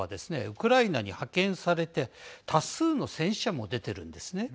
ウクライナに派遣されて多数の戦死者も出てるんですね。